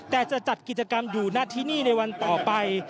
แต่จะจัดกิจกรรมอยู่หน้าที่นี่ในวันต่อไป